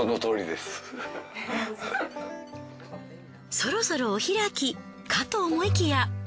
そろそろお開きかと思いきや。